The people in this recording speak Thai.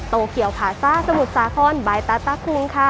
โตเกียวผาซ่าสมุทรสาครบายตาต้าครุงค่ะ